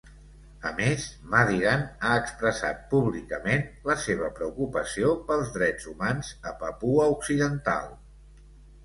A més, Madigan ha expressat públicament la seva preocupació pels drets humans a Papua Occidental.